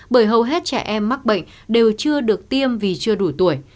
bởi hầu hết trẻ em mắc bệnh đều chưa được tiêm vì chưa đủ tuổi